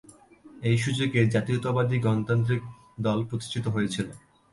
এই সুযোগে ‘জাতীয়তাবাদী গণতান্ত্রিক দল’ প্রতিষ্ঠিত হয়েছিল।